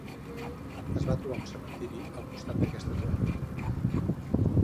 Es va trobar un cementiri al costat d'aquesta torre.